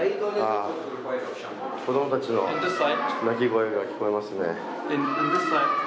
子供たちの泣き声が聞こえますね。